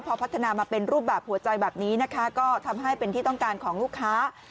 พอพัฒนามาเป็นรูปแบบหัวใจแบบนี้นะคะก็ทำให้เป็นที่ต้องการของลูกค้า